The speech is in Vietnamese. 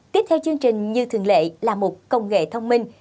tiếp theo chương trình như thường lệ là mục công nghệ thông minh